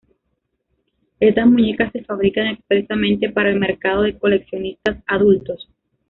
Estas muñecas se fabrican expresamente para el mercado de coleccionistas adultos.